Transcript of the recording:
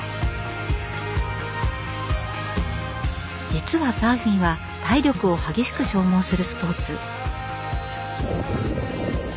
実はサーフィンは体力を激しく消耗するスポーツ。